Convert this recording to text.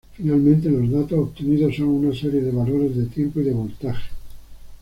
Finalmente, los datos obtenidos son una serie de valores de tiempo y de voltaje.